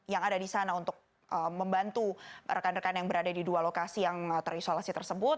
yang ada di sana untuk membantu rekan rekan yang berada di dua lokasi yang terisolasi tersebut